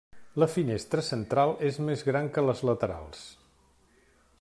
La finestra central és més gran que les laterals.